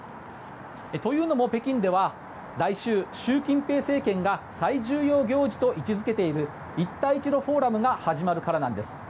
というのも北京では来週、習近平政権が最重要行事と位置付けている一帯一路フォーラムが始まるからなんです。